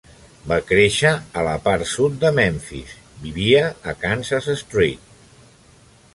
Va créixer a la part sud de Memphis; vivia a Kansas Street.